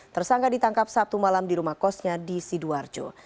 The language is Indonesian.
tersangka ditangkap sabtu malam di rumah kosnya di sidoarjo